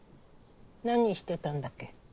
何してたんだっけ？